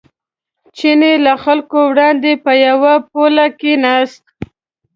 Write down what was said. چیني له خلکو وړاندې په یوه پوله کېناست.